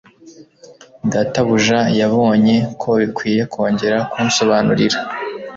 Databuja yabonye ko bikwiye kongera kunsobanurira